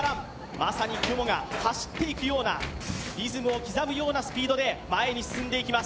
まさにくもが走っていくような、リズムを刻むようなスピードで前に進んでいきます。